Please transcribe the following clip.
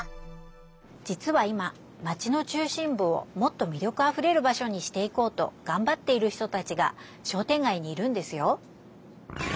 じつは今マチの中心ぶをもっとみりょくあふれる場所にしていこうとがんばっている人たちが商店街にいるんですよ。